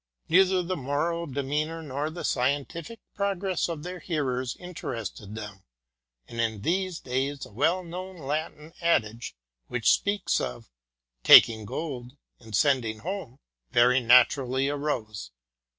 Neither the moral demeanour nor the scientific progress of their hearers in terested them ; and in these days a well known Latin adage, which speaks of taking gold and sending home, very na turally arose.